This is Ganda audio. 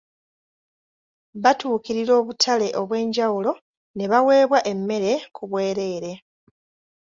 Batuukirira obutale obwenjawulo ne baweebwa emmere ku bwereere.